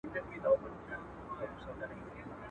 هيڅ سوز و کيف هم د مطرب په ترانه کي نه وو